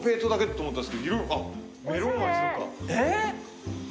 えっ！